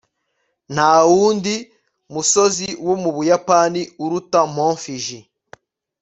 nta wundi musozi wo mu buyapani uruta mt. fuji